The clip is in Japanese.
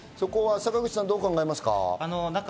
坂口さん、どう考えますか？